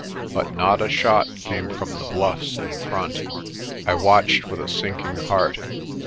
But not a shot came from the bluffs in front. I watched with a sinking heart.